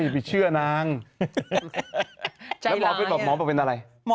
แล้วหมอบอกเป็นอะไร